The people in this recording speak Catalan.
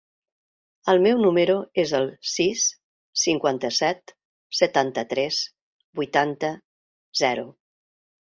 El meu número es el sis, cinquanta-set, setanta-tres, vuitanta, zero.